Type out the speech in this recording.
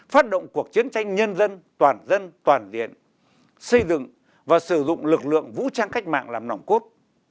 phát động cuộc chiến tranh nhân dân toàn dân toàn diện xây dựng và sử dụng lực lượng vũ trang cách mạng làm nòng cốt